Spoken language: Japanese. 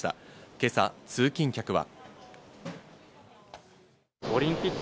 今朝、通勤客は。